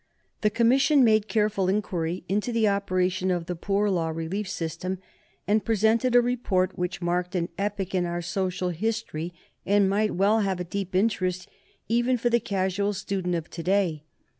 The commission made careful inquiry into the operation of the poor law relief system, and presented a report which marked an epoch in our social history, and might well have a deep interest even for the casual student of to day.